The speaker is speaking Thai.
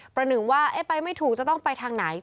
ประหนึ่งว่าไปไม่ถูกจะต้องไปทางไหน